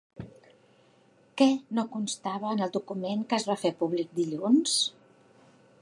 Què no constava en el document que es va fer públic dilluns?